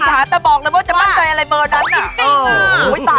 จริงพี่แอวเอาใจเกามากก่อนกันนะ